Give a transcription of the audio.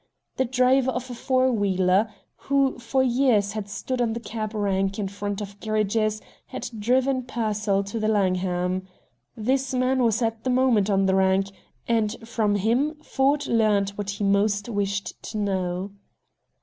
The driver of a four wheeler, who for years had stood on the cab rank in front of Gerridge's, had driven Pearsall to the Langham. This man was at the moment on the rank, and from him Ford learned what he most wished to know.